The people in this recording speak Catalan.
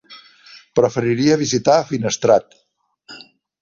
Preferiria visitar Finestrat.